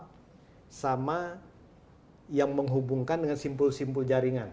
sama yang menghubungkan dengan simpul simpul jaringan